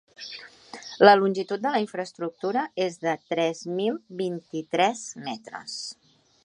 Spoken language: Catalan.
La longitud de la infraestructura és de tres mil vint-i-tres metres.